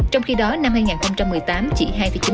trong khi đó năm hai nghìn một mươi tám chỉ hai chín